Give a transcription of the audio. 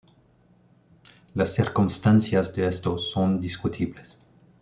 Las circunstancias de esto son discutibles.